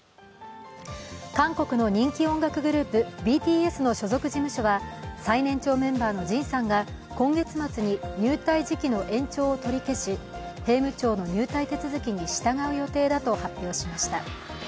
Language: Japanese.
韓国の人気音楽グループＢＴＳの所属事務所は最年長メンバーのＪＩＮさんが今月末に、入隊時期の延長を取り消し、兵務庁の入隊手続きに従う予定だと発表しました。